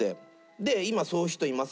で「今そういう人いません？」